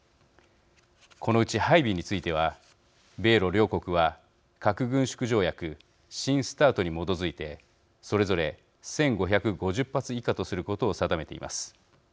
このうち配備については米ロ両国は核軍縮条約新ＳＴＡＲＴに基づいてそれぞれ１，５５０発以下とすることを定めています。